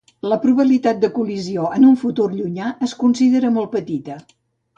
La probabilitat de col·lisió en un futur llunyà es considera molt petita.